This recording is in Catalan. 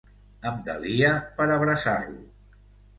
Em delia per abraçar-lo.